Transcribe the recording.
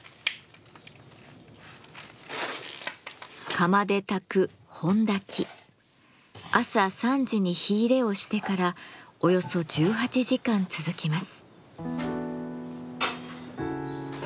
釜で焚く朝３時に火入れをしてからおよそ１８時間続きます。